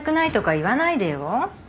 言わないよ。